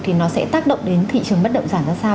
thì nó sẽ tác động đến thị trường bất động sản ra sao